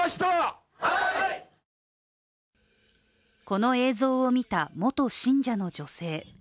この映像を見た元信者の女性。